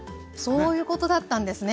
そういうことだったんですね。